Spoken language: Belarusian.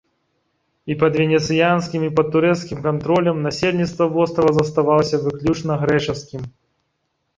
І пад венецыянскім і пад турэцкім кантролем насельніцтва вострава заставалася выключна грэчаскім.